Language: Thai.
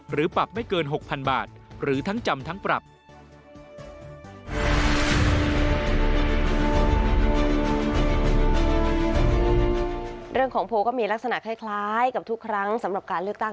ปรับไม่เกิน๖๐๐๐บาทหรือทั้งจำทั้งปรับ